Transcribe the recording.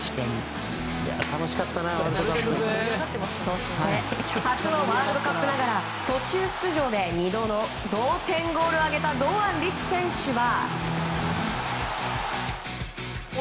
そして初のワールドカップながら途中出場で２度の同点ゴールを挙げた堂安律選手は。